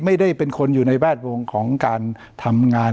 ไม่ได้เป็นคนอยู่ในแวดวงของการทำงาน